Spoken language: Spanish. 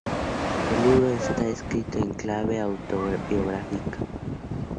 El libro está escrito en clave autobiográfica.